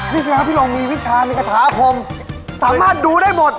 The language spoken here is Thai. นี่คือครับพี่ลงมีวิชามีคาถาคมสามารถดูได้หมด